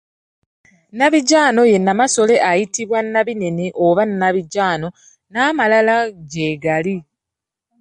Nabijjaano ye Nnamasole, ayitibwa Nabinene oba Nabijjaano n'amalala gye gali.